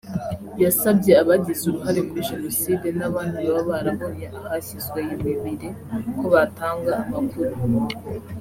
yasabye abagize uruhare muri Jenoside n`abandi baba barabonye ahashyizwe iyo mibiri ko batanga amakuru